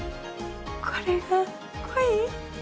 これが恋？